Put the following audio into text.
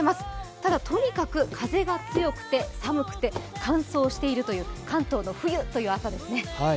ただ、とにかく風が強くて寒くて乾燥しているという関東の冬という朝ですね。